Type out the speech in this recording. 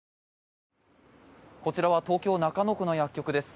こちらは東京・中野区の薬局です。